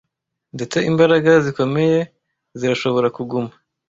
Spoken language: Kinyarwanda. Ndetse imbaraga zikomeye zirashobora kuguma